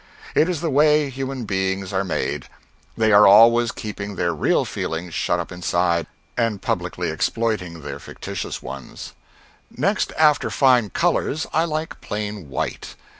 It is the way human beings are made; they are always keeping their real feelings shut up inside, and publicly exploiting their fictitious ones. Next after fine colors, I like plain white.